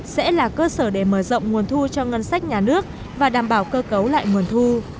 sẽ là cơ sở để mở rộng nguồn thu cho ngân sách nhà nước và đảm bảo cơ cấu lại nguồn thu